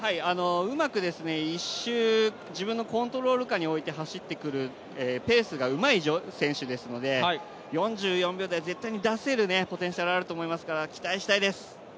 うまく１周、自分のコントール下に置いて走ってくるペースがうまい選手ですので、４４秒台絶対出せるポテンシャルあると思いますから期待したいです。